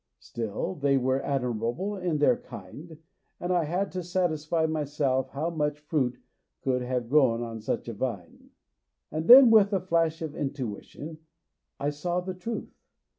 Still, they 222 MONOLOGUES were admirable of their kind, and I had to satisfy myself how such fruit could have grown on such a vine. And then with a flash of intuition I saw the truth.